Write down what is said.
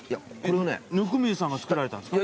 温水さんが作られたんですか？